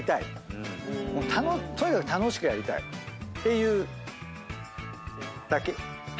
とにかく楽しくやりたいっていうだけ。